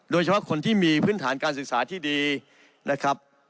โดยเฉพาะคนที่มีพื้นฐานการศึกษาที่ดีนะครับ